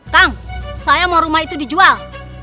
kang saya mau rumah itu dijual